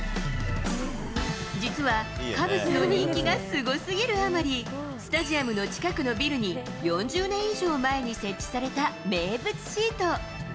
実は、カブスの人気がすごすぎるあまり、スタジアムの近くのビルに４０年以上前に設置された名物シート。